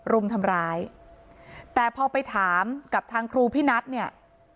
รุมทำร้ายแต่พอไปถามกับทางครูพี่นัทเนี่ย